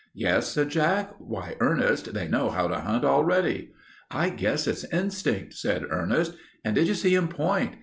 "Yes," said Jack. "Why, Ernest, they know how to hunt already." "I guess it's instinct," said Ernest. "And did you see them point?